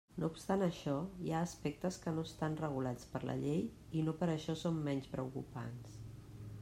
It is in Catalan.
No obstant això, hi ha aspectes que no estan regulats per la llei, i no per això són menys preocupants.